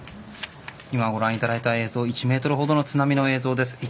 今ご覧いただいた映像は１メートルほどの津波の映像です。